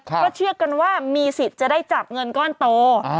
ก็เชื่อกันว่ามีสิทธิ์จะได้จับเงินก้อนโต